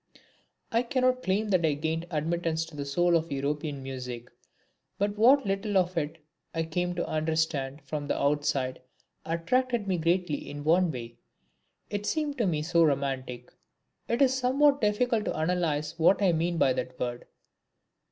I cannot claim that I gained admittance to the soul of European music. But what little of it I came to understand from the outside attracted me greatly in one way. It seemed to me so romantic. It is somewhat difficult to analyse what I mean by that word.